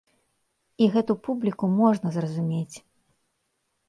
І гэту публіку можна зразумець.